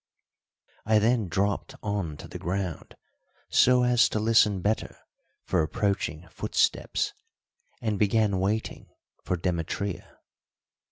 I then dropped on to the ground so as to listen better for approaching footsteps, and began waiting for Demetria.